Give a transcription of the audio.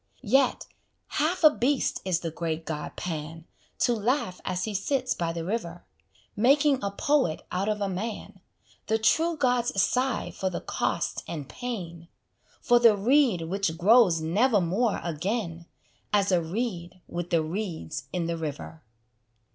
Yet, half a beast is the great god Pan, To laugh as he sits by the river, Making a poet out of a man: The true gods sigh for the cost and pain, For the reed which grows nevermore again As a reed with the reeds in the river.